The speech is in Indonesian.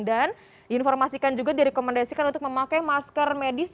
dan diinformasikan juga direkomendasikan untuk memakai masker medis